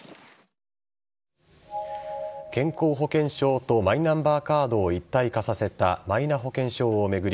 健康保険証とマイナンバーカードを一体化させたマイナ保険証を巡り